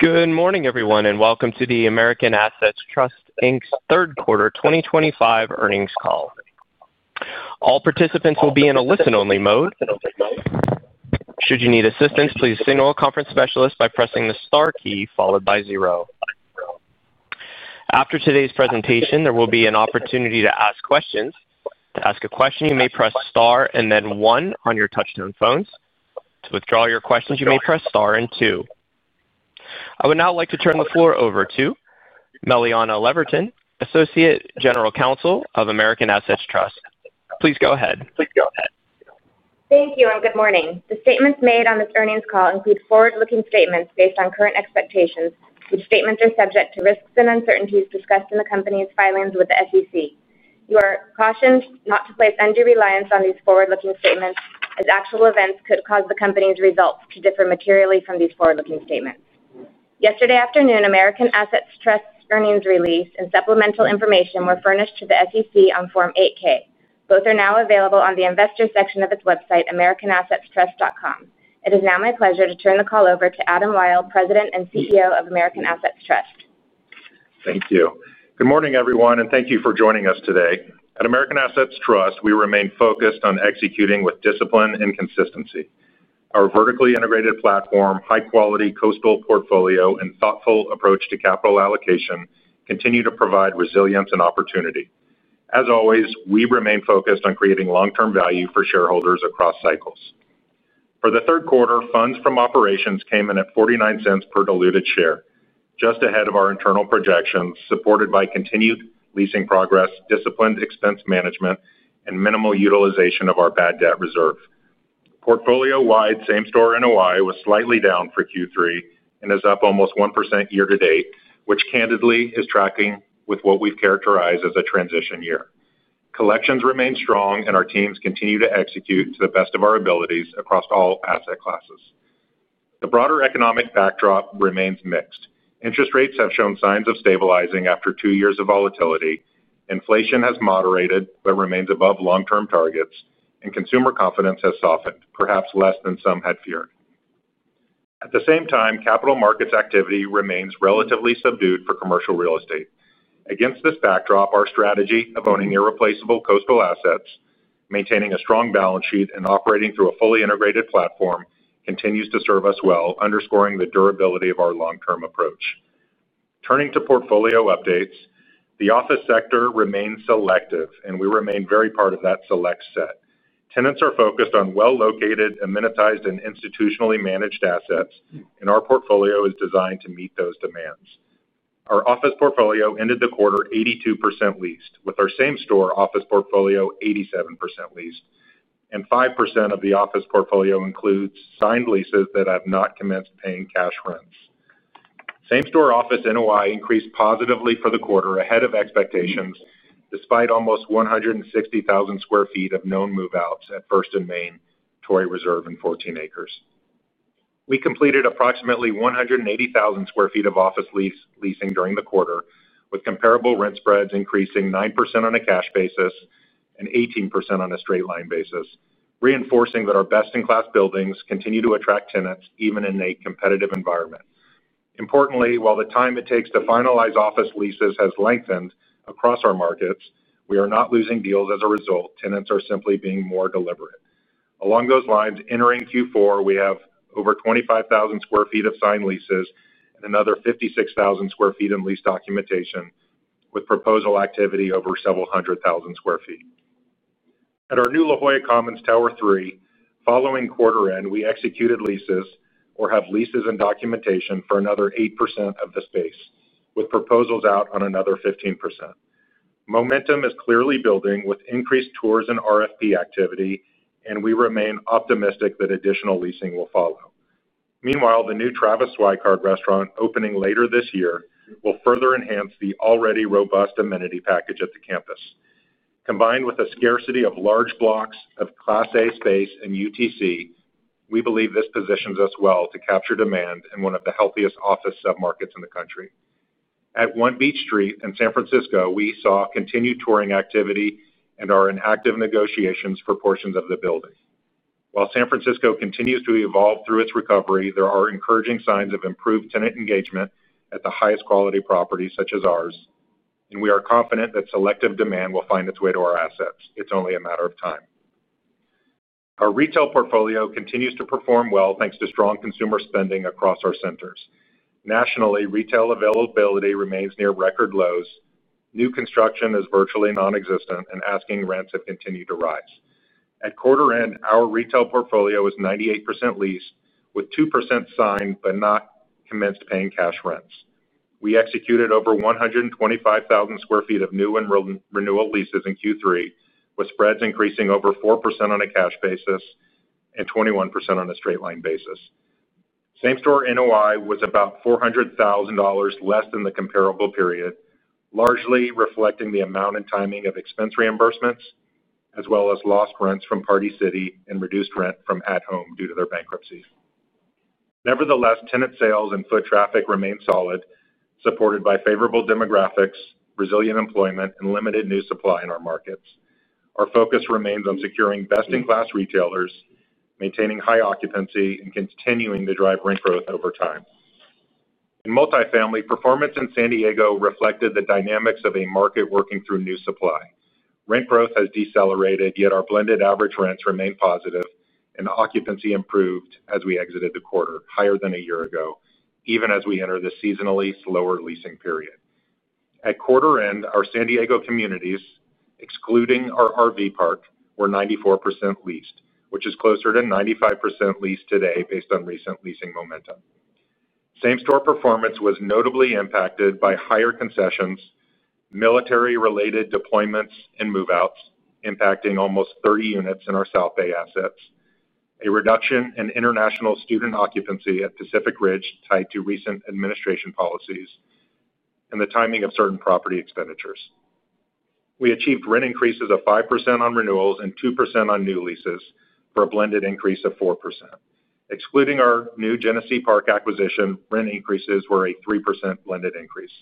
Good morning, everyone, and welcome to the American Assets Trust, Inc's third quarter 2025 earnings call. All participants will be in a listen-only mode. Should you need assistance, please signal a conference specialist by pressing the star key followed by zero. After today's presentation, there will be an opportunity to ask questions. To ask a question, you may press star and then one on your touchtone phones. To withdraw your questions, you may press star and two. I would now like to turn the floor over to Meliana Leverton, Associate General Counsel of American Assets Trust. Please go ahead. Thank you and good morning. The statements made on this earnings call include forward-looking statements based on current expectations, which statements are subject to risks and uncertainties discussed in the company's filings with the SEC. You are cautioned not to place undue reliance on these forward-looking statements, as actual events could cause the company's results to differ materially from these forward-looking statements. Yesterday afternoon, American Assets Trust's earnings release and supplemental information were furnished to the SEC on Form 8-K. Both are now available on the investor section of its website, americanassetstrust.com. It is now my pleasure to turn the call over to Adam Wyll, President and CEO of American Assets Trust. Thank you. Good morning, everyone, and thank you for joining us today. At American Assets Trust, we remain focused on executing with discipline and consistency. Our vertically integrated platform, high-quality coastal portfolio, and thoughtful approach to capital allocation continue to provide resilience and opportunity. As always, we remain focused on creating long-term value for shareholders across cycles. For the third quarter, funds from operations came in at $0.49 per diluted share, just ahead of our internal projections, supported by continued leasing progress, disciplined expense management, and minimal utilization of our bad debt reserve. Portfolio-wide, same-store NOI was slightly down for Q3 and is up almost 1% year to date, which candidly is tracking with what we've characterized as a transition year. Collections remain strong, and our teams continue to execute to the best of our abilities across all asset classes. The broader economic backdrop remains mixed. Interest rates have shown signs of stabilizing after two years of volatility. Inflation has moderated but remains above long-term targets, and consumer confidence has softened, perhaps less than some had feared. At the same time, capital markets activity remains relatively subdued for commercial real estate. Against this backdrop, our strategy of owning irreplaceable coastal assets, maintaining a strong balance sheet, and operating through a fully integrated platform continues to serve us well, underscoring the durability of our long-term approach. Turning to portfolio updates, the Office sector remains selective, and we remain very part of that select set. Tenants are focused on well-located, amenitized, and institutionally managed assets, and our portfolio is designed to meet those demands. Our Office portfolio ended the quarter 82% leased, with our same-store Office portfolio 87% leased, and 5% of the Office portfolio includes signed leases that have not commenced paying cash rents. Same-store Office NOI increased positively for the quarter ahead of expectations, despite almost 160,000 sq ft of known move-outs at First & Main, Torrey Reserve, and 14ACRES. We completed approximately 180,000 sq ft of office leasing during the quarter, with comparable rent spreads increasing 9% on a cash basis and 18% on a straight-line basis, reinforcing that our best-in-class buildings continue to attract tenants even in a competitive environment. Importantly, while the time it takes to finalize office leases has lengthened across our markets, we are not losing deals as a result. Tenants are simply being more deliberate. Along those lines, entering Q4, we have over 25,000 sq ft of signed leases and another 56,000 sq ft in lease documentation, with proposal activity over several hundred thousand square feet. At our new La Jolla Commons Tower III, following quarter end, we executed leases or have leases in documentation for another 8% of the space, with proposals out on another 15%. Momentum is clearly building with increased tours and RFP activity, and we remain optimistic that additional leasing will follow. Meanwhile, the new Travis Swikard's restaurant opening later this year will further enhance the already robust amenity package at the campus. Combined with a scarcity of large blocks of Class A space in UTC, we believe this positions us well to capture demand in one of the healthiest Office submarkets in the country. At One Beach Street in San Francisco, we saw continued touring activity and are in active negotiations for portions of the building. While San Francisco continues to evolve through its recovery, there are encouraging signs of improved tenant engagement at the highest quality properties such as ours, and we are confident that selective demand will find its way to our assets. It's only a matter of time. Our retail portfolio continues to perform well thanks to strong consumer spending across our centers. Nationally, retail availability remains near record lows. New construction is virtually nonexistent, and asking rents have continued to rise. At quarter end, our retail portfolio is 98% leased, with 2% signed but not commenced paying cash rents. We executed over 125,000 sq ft of new and renewal leases in Q3, with spreads increasing over 4% on a cash basis and 21% on a straight line basis. Same-store NOI was about $400,000 less than the comparable period, largely reflecting the amount and timing of expense reimbursements, as well as lost rents from Party City and reduced rent from At Home due to their bankruptcies. Nevertheless, tenant sales and foot traffic remain solid, supported by favorable demographics, resilient employment, and limited new supply in our markets. Our focus remains on securing best-in-class retailers, maintaining high occupancy, and continuing to drive rent growth over time. In Multifamily, performance in San Diego reflected the dynamics of a market working through new supply. Rent growth has decelerated, yet our blended average rents remain positive, and occupancy improved as we exited the quarter higher than a year ago, even as we enter the seasonally slower leasing period. At quarter end, our San Diego communities, excluding our RV park, were 94% leased, which is closer to 95% leased today based on recent leasing momentum. Same-store performance was notably impacted by higher concessions, military-related deployments, and move-outs, impacting almost 30 units in our South Bay assets, a reduction in international student occupancy at Pacific Ridge tied to recent administration policies, and the timing of certain property expenditures. We achieved rent increases of 5% on renewals and 2% on new leases for a blended increase of 4%. Excluding our new Genesee Park acquisition, rent increases were a 3% blended increase.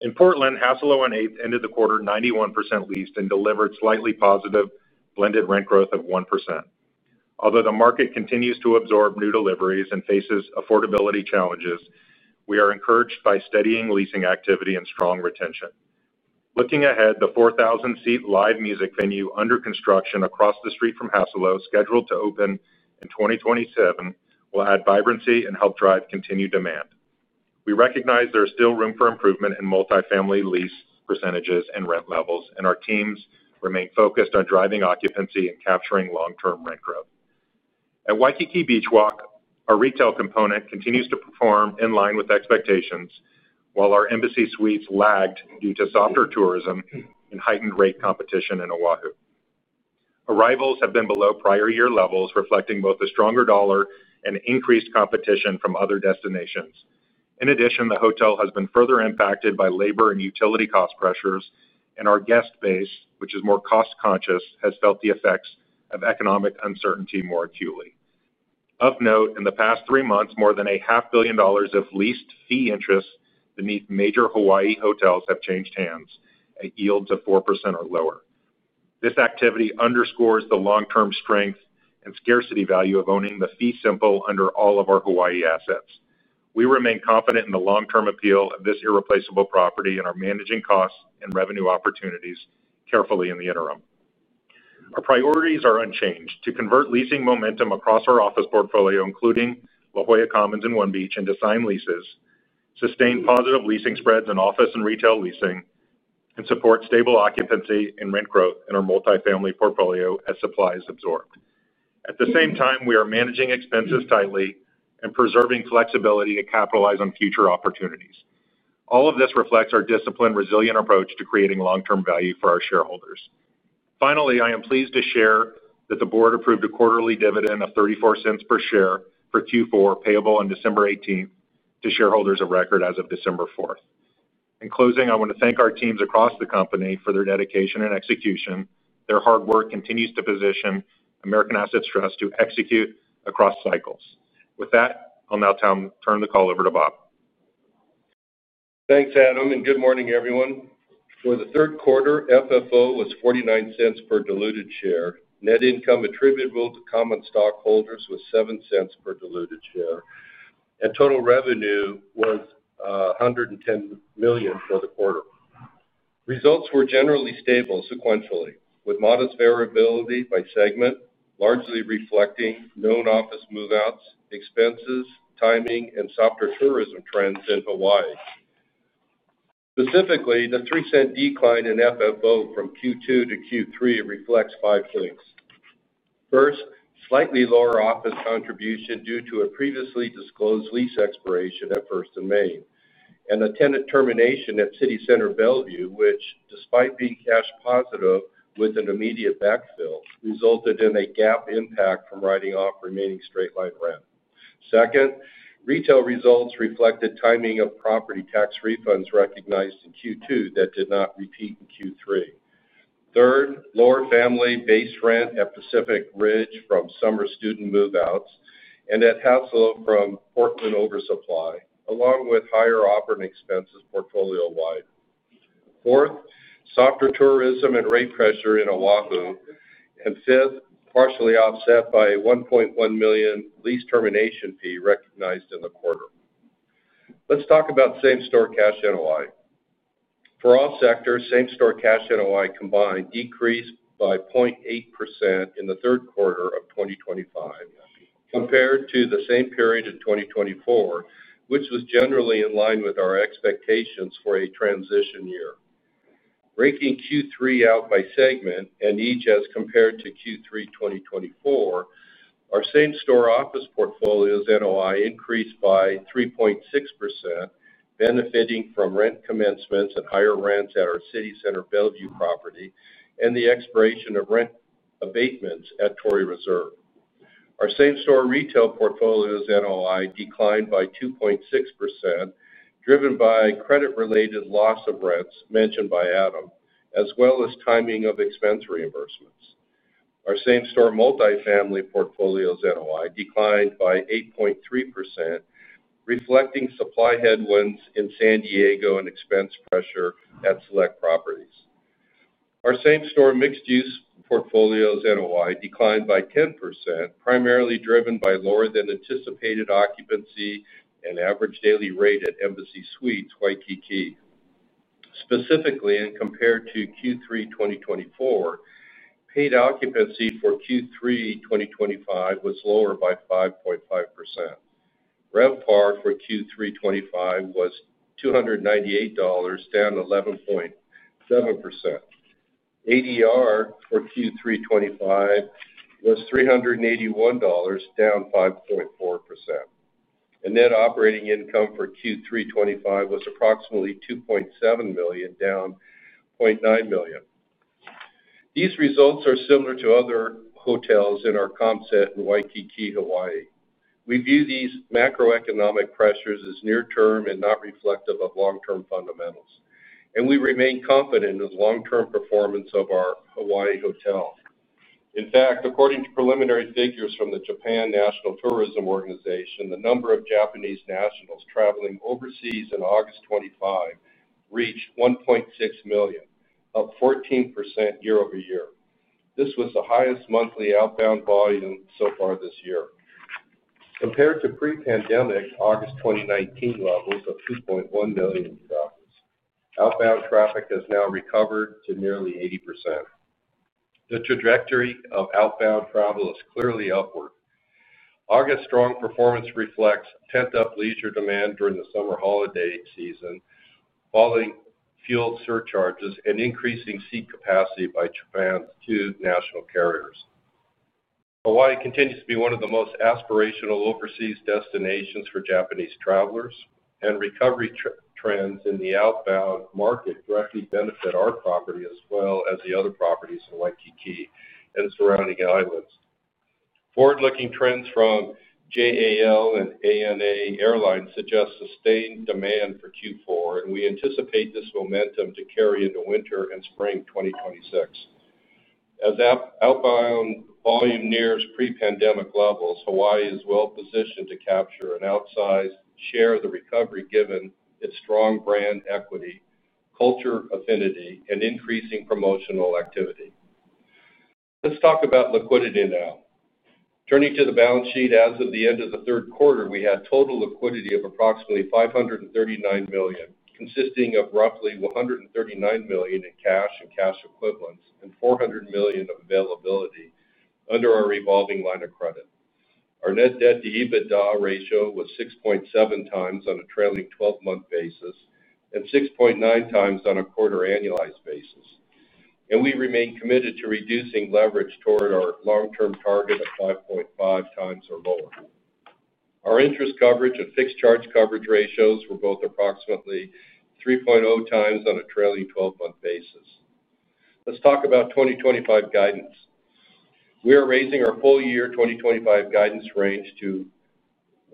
In Portland, Hassalo on Eighth ended the quarter 91% leased and delivered slightly positive blended rent growth of 1%. Although the market continues to absorb new deliveries and faces affordability challenges, we are encouraged by steadying leasing activity and strong retention. Looking ahead, the 4,000-seat live music venue under construction across the street from Hassalo, scheduled to open in 2027, will add vibrancy and help drive continued demand. We recognize there is still room for improvement in multifamily lease percentages and rent levels, and our teams remain focused on driving occupancy and capturing long-term rent growth. At Waikiki Beach Walk, our retail component continues to perform in line with expectations, while our Embassy Suites lagged due to softer tourism and heightened rate competition in Oahu. Arrivals have been below prior year levels, reflecting both a stronger dollar and increased competition from other destinations. In addition, the hotel has been further impacted by labor and utility cost pressures, and our guest base, which is more cost-conscious, has felt the effects of economic uncertainty more acutely. Of note, in the past three months, more than a half billion dollars of leased fee interest beneath major Hawaii hotels have changed hands at yields of 4% or lower. This activity underscores the long-term strength and scarcity value of owning the fee simple under all of our Hawaii assets. We remain confident in the long-term appeal of this irreplaceable property and are managing costs and revenue opportunities carefully in the interim. Our priorities are unchanged to convert leasing momentum across our Office portfolio, including La Jolla Commons and One Beach Street, into signed leases, sustain positive leasing spreads in Office and retail leasing, and support stable occupancy and rent growth in our Multifamily portfolio as supplies absorb. At the same time, we are managing expenses tightly and preserving flexibility to capitalize on future opportunities. All of this reflects our disciplined, resilient approach to creating long-term value for our shareholders. Finally, I am pleased to share that the board approved a quarterly dividend of $0.34 per share for Q4, payable on December 18, to shareholders of record as of December 4. In closing, I want to thank our teams across the company for their dedication and execution. Their hard work continues to position American Assets Trust to execute across cycles. With that, I'll now turn the call over to Bob. Thanks, Adam, and good morning, everyone. For the third quarter, FFO was $0.49 per diluted share. Net income attributable to common stockholders was $0.07 per diluted share, and total revenue was $110 million for the quarter. Results were generally stable sequentially, with modest variability by segment, largely reflecting known office move-outs, expenses, timing, and softer tourism trends in Hawaii. Specifically, the $0.03 decline in FFO from Q2 to Q3 reflects five things. First, slightly lower office contribution due to a previously disclosed lease expiration at First & Main, and a tenant termination at City Center Bellevue, which, despite being cash positive with an immediate backfill, resulted in a gap impact from writing off remaining straight line rent. Second, retail results reflected timing of property tax refunds recognized in Q2 that did not repeat in Q3. Third, lower family-based rent at Pacific Ridge from summer student move-outs and at Hassalo from Portland oversupply, along with higher operating expenses portfolio-wide. Fourth, softer tourism and rate pressure in Oahu, and fifth, partially offset by a $1.1 million lease termination fee recognized in the quarter. Let's talk about same-store cash NOI. For all sectors, same-store cash NOI combined decreased by 0.8% in the third quarter of 2025, compared to the same period in 2024, which was generally in line with our expectations for a transition year. Ranking Q3 out by segment and each as compared to Q3 2024, our same-store office portfolio's NOI increased by 3.6%, benefiting from rent commencements and higher rents at our City Center Bellevue property and the expiration of rent abatements at Torrey Reserve. Our same-store retail portfolio's NOI declined by 2.6%, driven by credit-related loss of rents mentioned by Adam, as well as timing of expense reimbursements. Our same-store Multifamily portfolio's NOI declined by 8.3%, reflecting supply headwinds in San Diego and expense pressure at select properties. Our same-store mixed-use portfolio's NOI declined by 10%, primarily driven by lower than anticipated occupancy and average daily rate at Embassy Suites Waikiki. Specifically, and compared to Q3 2024, paid occupancy for Q3 2025 was lower by 5.5%. RevPAR for Q3 2025 was $298, down 11.7%. ADR for Q3 2025 was $381, down 5.4%. Net operating income for Q3 2025 was approximately $2.7 million, down $0.9 million. These results are similar to other hotels in our comp set in Waikiki, Hawaii. We view these macroeconomic pressures as near-term and not reflective of long-term fundamentals, and we remain confident in the long-term performance of our Hawaii hotel. In fact, according to preliminary figures from the Japan National Tourism Organization, the number of Japanese nationals traveling overseas in August 2025 reached 1.6 million, up 14% year-over-year. This was the highest monthly outbound volume so far this year. Compared to pre-pandemic August 2019 levels of 2.1 million travelers, outbound traffic has now recovered to nearly 80%. The trajectory of outbound travel is clearly upward. August's strong performance reflects pent-up leisure demand during the summer holiday season, falling fuel surcharges, and increasing seat capacity by Japan's two national carriers. Hawaii continues to be one of the most aspirational overseas destinations for Japanese travelers, and recovery trends in the outbound market directly benefit our property as well as the other properties in Waikiki and surrounding islands. Forward-looking trends from JAL and ANA Airlines suggest sustained demand for Q4, and we anticipate this momentum to carry into winter and spring 2026. As outbound volume nears pre-pandemic levels, Hawaii is well-positioned to capture an outsized share of the recovery given its strong brand equity, culture affinity, and increasing promotional activity. Let's talk about liquidity now. Turning to the balance sheet, as of the end of the third quarter, we had total liquidity of approximately $539 million, consisting of roughly $139 million in cash and cash equivalents and $400 million of availability under our evolving line of credit. Our net debt to EBITDA ratio was 6.7x on a trailing 12-month basis and 6.9x on a quarter annualized basis, and we remain committed to reducing leverage toward our long-term target of 5.5x or lower. Our interest coverage and fixed charge coverage ratios were both approximately 3.0x on a trailing 12-month basis. Let's talk about 2025 guidance. We are raising our full-year 2025 guidance range to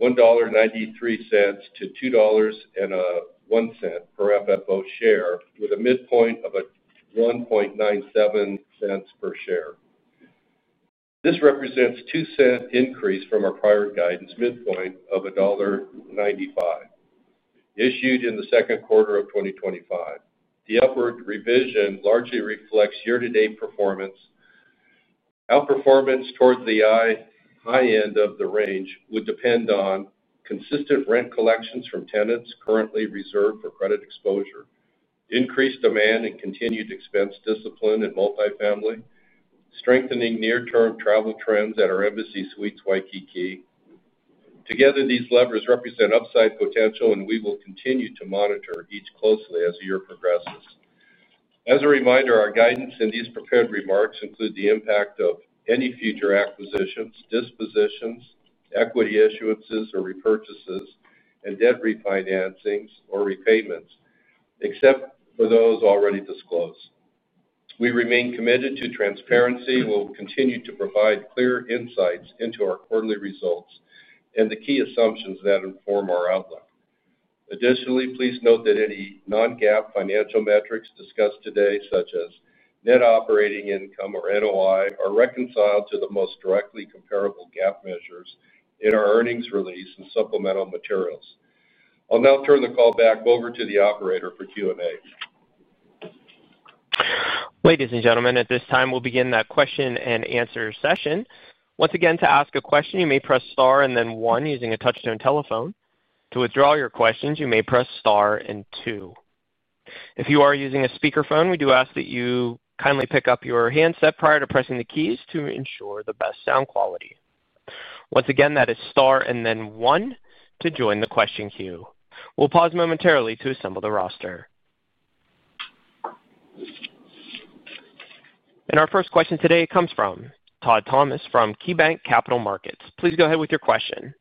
$1.93-$2.01 per FFO share, with a midpoint of $1.97 per share. This represents a $0.02 increase from our prior guidance midpoint of $1.95, issued in the second quarter of 2025. The upward revision largely reflects year-to-date performance. Outperformance towards the high end of the range would depend on consistent rent collections from tenants currently reserved for credit exposure, increased demand and continued expense discipline in multifamily, strengthening near-term travel trends at our Embassy Suites Waikiki. Together, these levers represent upside potential, and we will continue to monitor each closely as the year progresses. As a reminder, our guidance in these prepared remarks includes the impact of any future acquisitions, dispositions, equity issuances or repurchases, and debt refinancings or repayments, except for those already disclosed. We remain committed to transparency and will continue to provide clear insights into our quarterly results and the key assumptions that inform our outlook. Additionally, please note that any non-GAAP financial metrics discussed today, such as net operating income or NOI, are reconciled to the most directly comparable GAAP measures in our earnings release and supplemental materials. I'll now turn the call back over to the operator for Q&A. Ladies and gentlemen, at this time, we'll begin that question and answer session. Once again, to ask a question, you may press star and then one using a touch-tone telephone. To withdraw your questions, you may press star and two. If you are using a speakerphone, we do ask that you kindly pick up your handset prior to pressing the keys to ensure the best sound quality. Once again, that is star and then one to join the question queue. We'll pause momentarily to assemble the roster. Our first question today comes from Todd Thomas from KeyBanc Capital Markets. Please go ahead with your question.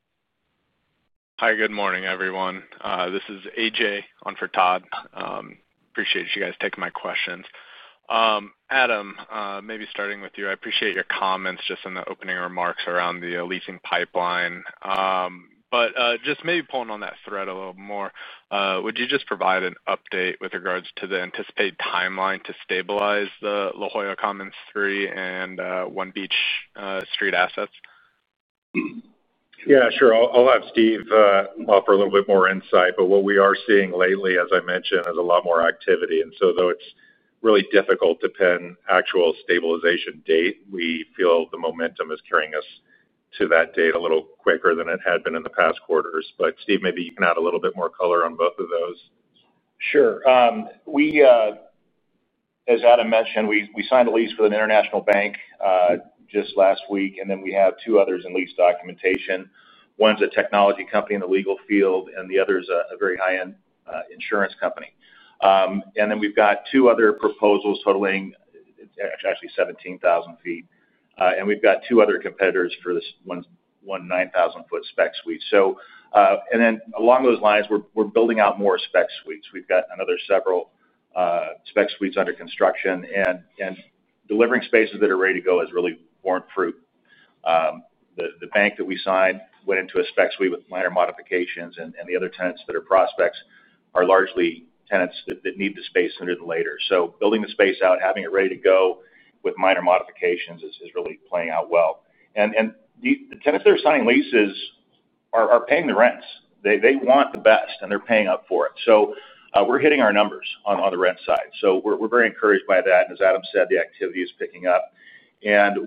Hi, good morning, everyone. This is AJ on for Todd. Appreciate you guys taking my questions. Adam, maybe starting with you, I appreciate your comments just in the opening remarks around the leasing pipeline. Just maybe pulling on that thread a little more, would you just provide an update with regards to the anticipated timeline to stabilize the La Jolla Commons III and One Beach Street assets? Yeah, sure. I'll have Steve offer a little bit more insight. What we are seeing lately, as I mentioned, is a lot more activity. Though it's really difficult to pin actual stabilization date, we feel the momentum is carrying us to that date a little quicker than it had been in the past quarters. Steve, maybe you can add a little bit more color on both of those. Sure. As Adam mentioned, we signed a lease with an international bank just last week, and then we have two others in lease documentation. One's a technology company in the legal field, and the other's a very high-end insurance company. We have two other proposals totaling actually 17,000 ft, and we have two other competitors for this one 9,000-foot spec suite. Along those lines, we're building out more spec suites. We've got another several spec suites under construction, and delivering spaces that are ready to go has really borne fruit. The bank that we signed went into a spec suite with minor modifications, and the other tenants that are prospects are largely tenants that need the space sooner than later. Building the space out, having it ready to go with minor modifications is really playing out well. The tenants that are signing leases are paying the rents. They want the best, and they're paying up for it. We're hitting our numbers on the rent side. We're very encouraged by that. As Adam said, the activity is picking up.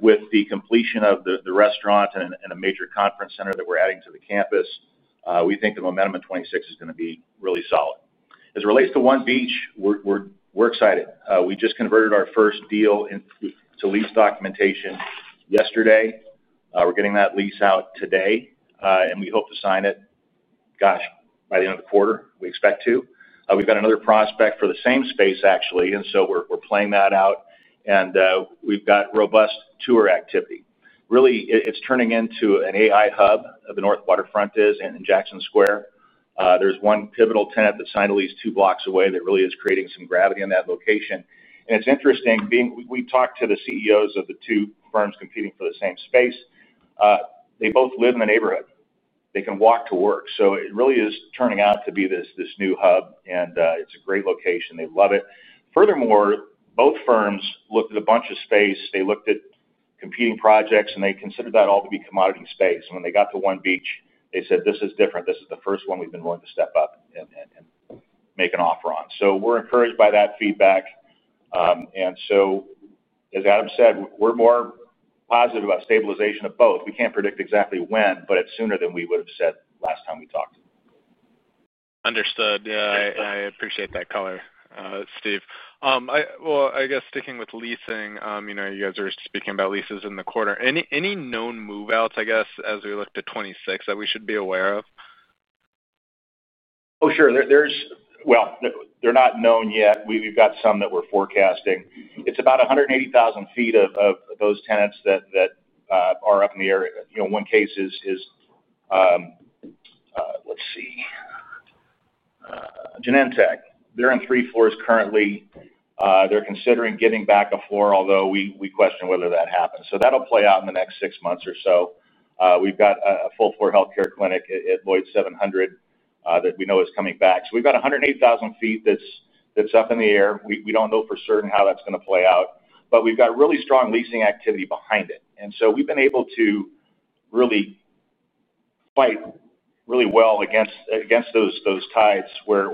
With the completion of the restaurant and a major conference center that we're adding to the campus, we think the momentum in 2026 is going to be really solid. As it relates to One Beach, we're excited. We just converted our first deal into lease documentation yesterday. We're getting that lease out today, and we hope to sign it by the end of the quarter. We expect to. We've got another prospect for the same space, actually, and we're playing that out. We've got robust tour activity. Really, it's turning into an AI hub of the North Waterfront in Jackson Square. There's one pivotal tenant that signed a lease two blocks away that really is creating some gravity in that location. It's interesting, we talked to the CEOs of the two firms competing for the same space. They both live in the neighborhood. They can walk to work. It really is turning out to be this new hub, and it's a great location. They love it. Furthermore, both firms looked at a bunch of space. They looked at competing projects, and they considered that all to be commodity space. When they got to One Beach, they said, "This is different. This is the first one we've been willing to step up and make an offer on." We're encouraged by that feedback. As Adam said, we're more positive about stabilization of both. We can't predict exactly when, but it's sooner than we would have said last time we talked. Understood. I appreciate that color, Steve. I guess sticking with leasing, you know, you guys are speaking about leases in the quarter. Any known move-outs, I guess, as we look to 2026 that we should be aware of? Oh, sure. There, there's, they're not known yet. We've got some that we're forecasting. It's about 180,000 ft of those tenants that are up in the air. You know, one case is, let's see, Genentech. They're in three floors currently. They're considering giving back a floor, although we question whether that happens. That'll play out in the next six months or so. We've got a full-floor healthcare clinic at Lloyd 700 that we know is coming back. We've got 180,000 ft that's up in the air. We don't know for certain how that's going to play out, but we've got really strong leasing activity behind it. We've been able to really fight really well against those tides where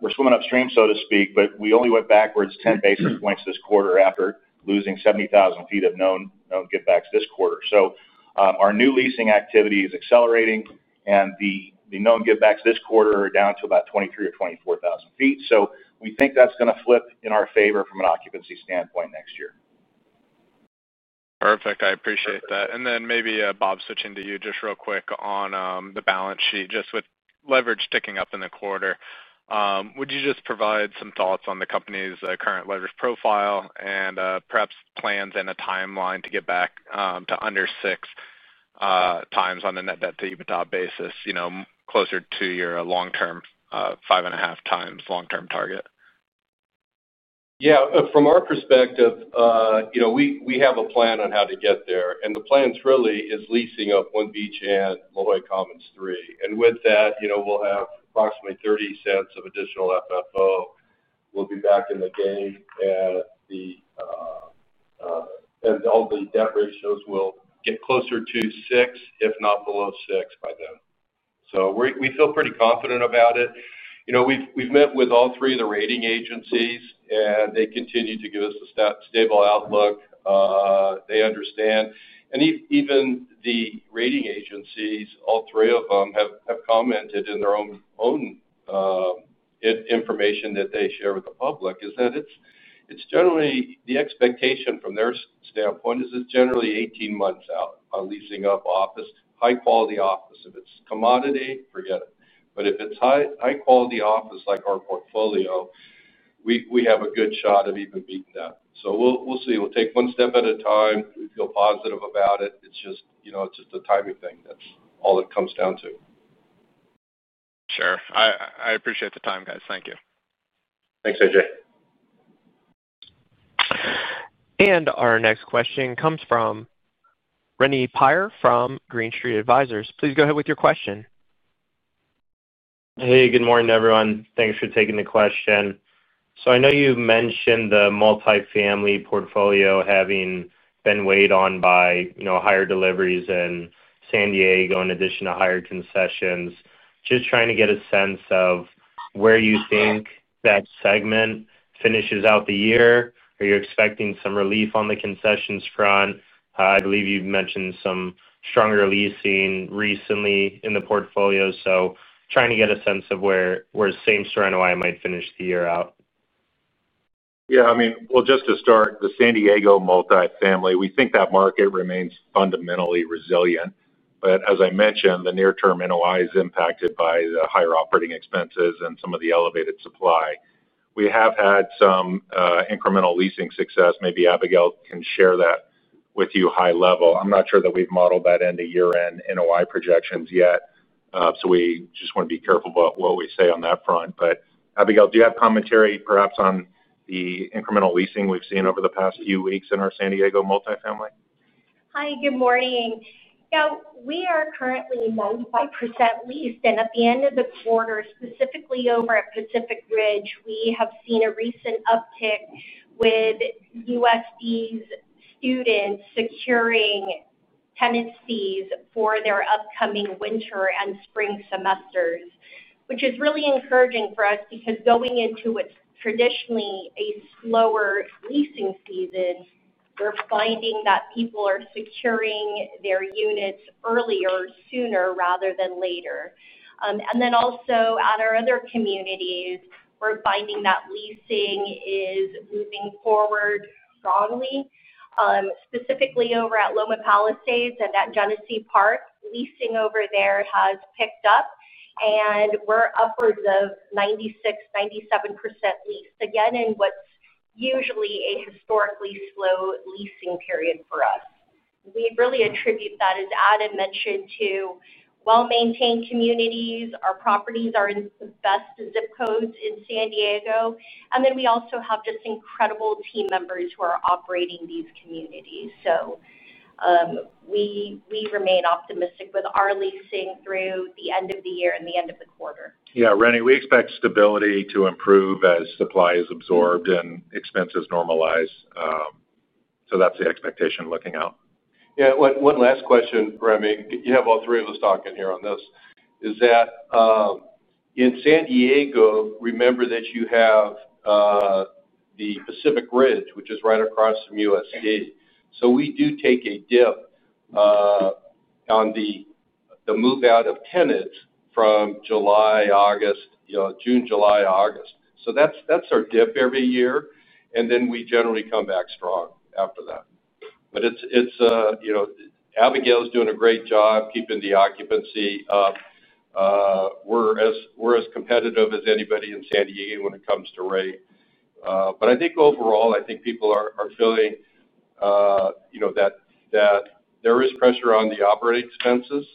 we're swimming upstream, so to speak, but we only went backwards 10 basis points this quarter after losing 70,000 ft of known givebacks this quarter. Our new leasing activity is accelerating, and the known givebacks this quarter are down to about 23,000 ft or 24,000 ft. We think that's going to flip in our favor from an occupancy standpoint next year. Perfect. I appreciate that. Bob, switching to you just real quick on the balance sheet, with leverage ticking up in the quarter, would you just provide some thoughts on the company's current leverage profile and perhaps plans and a timeline to get back to under 6x on a net debt to EBITDA basis, closer to your long-term 5.5x long-term target? Yeah. From our perspective, you know, we have a plan on how to get there. The plans really are leasing up One Beach Street and La Jolla Commons III. With that, we'll have approximately $0.30 of additional FFO. We'll be back in the game, and all the debt ratios will get closer to 6x, if not below 6x by then. We feel pretty confident about it. We've met with all three of the rating agencies, and they continue to give us a stable outlook. They understand. Even the rating agencies, all three of them, have commented in their own information that they share with the public that it's generally the expectation from their standpoint that it's generally 18 months out on leasing up office, high-quality office. If it's commodity, forget it. If it's high-quality office like our portfolio, we have a good shot of even beating that. We'll see. We'll take one step at a time. We feel positive about it. It's just a timing thing. That's all it comes down to. Sure. I appreciate the time, guys. Thank you. Thanks, AJ. Our next question comes from Reny Pire from Green Street Advisors. Please go ahead with your question. Good morning, everyone. Thanks for taking the question. I know you mentioned the Multifamily portfolio having been weighed on by higher deliveries in San Diego in addition to higher concessions. Just trying to get a sense of where you think that segment finishes out the year. Are you expecting some relief on the concessions front? I believe you've mentioned some stronger leasing recently in the portfolio. Trying to get a sense of where same-store NOI might finish the year out. Yeah, I mean, just to start, the San Diego Multifamily, we think that market remains fundamentally resilient. As I mentioned, the near-term NOI is impacted by the higher operating expenses and some of the elevated supply. We have had some incremental leasing success. Maybe Abigail can share that with you high level. I'm not sure that we've modeled that into year-end NOI projections yet, so we just want to be careful about what we say on that front. Abigail, do you have commentary perhaps on the incremental leasing we've seen over the past few weeks in our San Diego Multifamily? Hi, good morning. Yeah, we are currently 95% leased. At the end of the quarter, specifically over at Pacific Ridge, we have seen a recent uptick with USC's students securing tenancies for their upcoming winter and spring semesters, which is really encouraging for us because going into what's traditionally a slower leasing season, we're finding that people are securing their units earlier, sooner rather than later. Also, at our other communities, we're finding that leasing is moving forward strongly. Specifically over at Loma Palisades and at Genesee Park, leasing over there has picked up, and we're upwards of 96%, 97% leased again in what's usually a historically slow leasing period for us. We really attribute that, as Adam mentioned, to well-maintained communities. Our properties are in the best zip codes in San Diego. We also have just incredible team members who are operating these communities. We remain optimistic with our leasing through the end of the year and the end of the quarter. Yeah, Reny, we expect stability to improve as supply is absorbed and expenses normalize. That's the expectation looking out. Yeah, one last question, Reny, you have all three of us talking here on this. In San Diego, remember that you have the Pacific Ridge, which is right across from USC. We do take a dip on the move-out of tenants from June, July, August. That's our dip every year, and then we generally come back strong after that. It's, you know, Abigail Rex is doing a great job keeping the occupancy up. We're as competitive as anybody in San Diego when it comes to rate. I think overall, people are feeling that there is pressure on the operating expenses.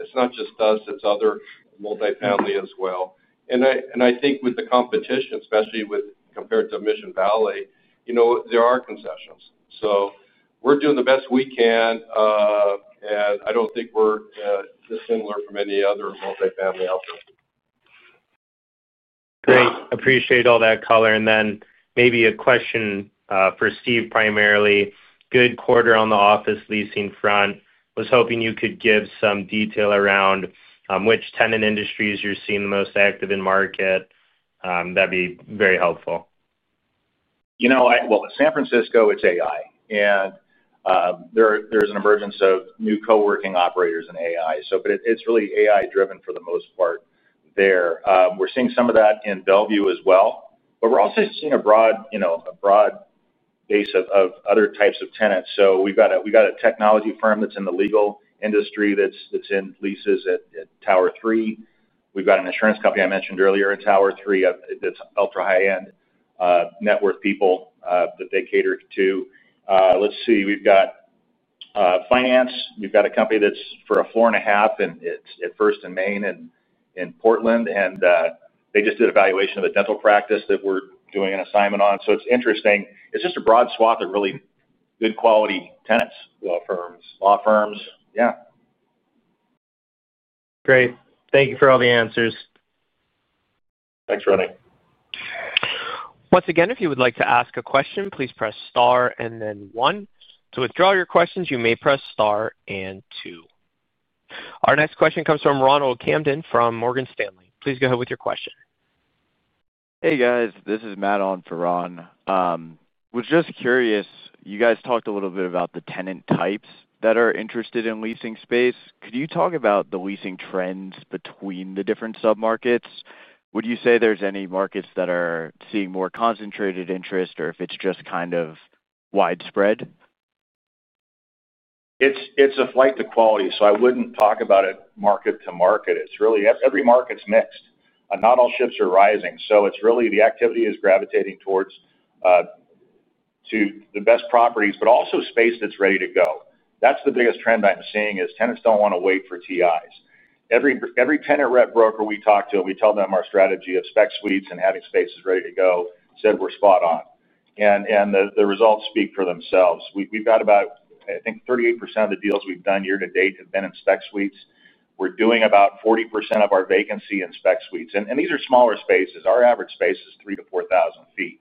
It's not just us. It's other multifamily as well. I think with the competition, especially compared to Mission Valley, there are concessions. We're doing the best we can, and I don't think we're dissimilar from any other multifamily out there. Great. Appreciate all that color. Maybe a question for Steve primarily. Good quarter on the office leasing front. Was hoping you could give some detail around which tenant industries you're seeing the most active in the market. That'd be very helpful. San Francisco, it's AI. There's an emergence of new coworking operators in AI. It's really AI-driven for the most part there. We're seeing some of that in Bellevue as well. We're also seeing a broad base of other types of tenants. We've got a technology firm that's in the legal industry that's in leases at Tower III. We've got an insurance company I mentioned earlier in Tower III that caters to ultra high-end, net worth people. We've got finance. We've got a company that's for a floor and a half, and it's at First & Main in Portland. They just did a valuation of a dental practice that we're doing an assignment on. It's interesting. It's just a broad swath of really good quality tenants. Law firms. Law firms, yeah. Great. Thank you for all the answers. Thanks, Reny. Once again, if you would like to ask a question, please press star and then one. To withdraw your questions, you may press star and two. Our next question comes from Ronald Kamdem from Morgan Stanley. Please go ahead with your question. Hey, guys. This is Matt on for Ron. I was just curious, you guys talked a little bit about the tenant types that are interested in leasing space. Could you talk about the leasing trends between the different submarkets? Would you say there's any markets that are seeing more concentrated interest or if it's just kind of widespread? It's a flight to quality. I wouldn't talk about it market to market. Every market's mixed. Not all ships are rising. The activity is gravitating towards the best properties, but also space that's ready to go. That's the biggest trend I'm seeing. Tenants don't want to wait for TIs. Every tenant rep broker we talk to, and we tell them our strategy of spec suites and having spaces ready to go, said we're spot on. The results speak for themselves. We've got about, I think, 38% of the deals we've done year to date have been in spec suites. We're doing about 40% of our vacancy in spec suites. These are smaller spaces. Our average space is 3,000 ft-4,000 ft.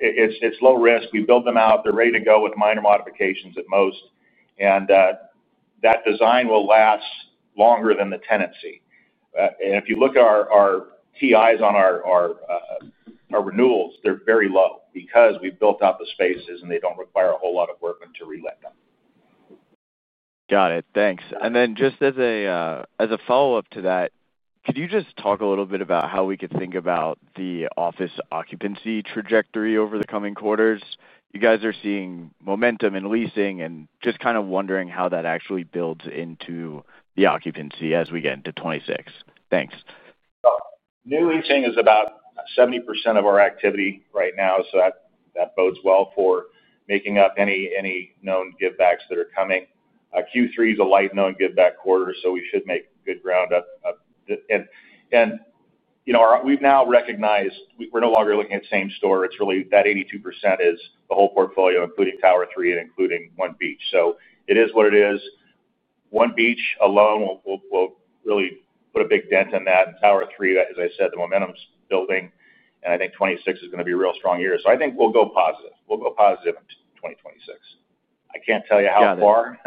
It's low risk. We build them out. They're ready to go with minor modifications at most. That design will last longer than the tenancy. If you look at our TIs on our renewals, they're very low because we've built out the spaces, and they don't require a whole lot of work to relit them. Got it. Thanks. Just as a follow-up to that, could you talk a little bit about how we could think about the office occupancy trajectory over the coming quarters? You guys are seeing momentum in leasing and just kind of wondering how that actually builds into the occupancy as we get into 2026. Thanks. Yeah. New leasing is about 70% of our activity right now. That bodes well for making up any known givebacks that are coming. Q3 is a light known giveback quarter, so we should make good ground up. We've now recognized we're no longer looking at same-store. It's really that 82% is the whole portfolio, including Tower III and including One Beach. It is what it is. One Beach alone will really put a big dent in that. Tower III, as I said, the momentum's building, and I think 2026 is going to be a real strong year. I think we'll go positive. We'll go positive in 2026. I can't tell you how far.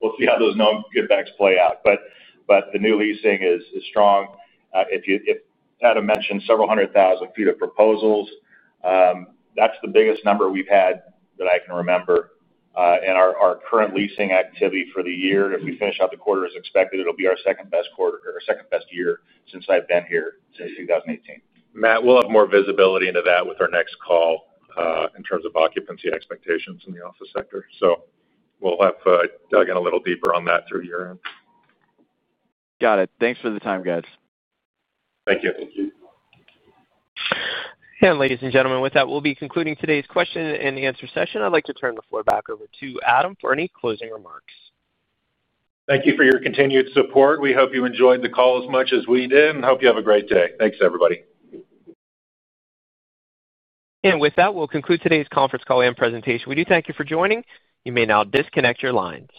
We'll see how those known givebacks play out. The new leasing is strong. If you, if Adam mentioned several hundred thousand feet of proposals, that's the biggest number we've had that I can remember. Our current leasing activity for the year, if we finish out the quarter as expected, it'll be our second best quarter or second best year since I've been here since 2018. Matt, we'll have more visibility into that with our next call in terms of occupancy expectations in the office sector. We'll have dug in a little deeper on that through year end. Got it. Thanks for the time, guys. Thank you. Thank you. Ladies and gentlemen, with that, we'll be concluding today's question and answer session. I'd like to turn the floor back over to Adam for any closing remarks. Thank you for your continued support. We hope you enjoyed the call as much as we did, and hope you have a great day. Thanks, everybody. We thank you for joining today's conference call and presentation. You may now disconnect your lines.